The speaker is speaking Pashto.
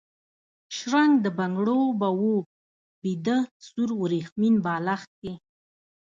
شرنګ د بنګړو، به و بیده سور وریښمین بالښت کي